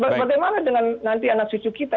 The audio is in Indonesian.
bagaimana dengan nanti anak cucu kita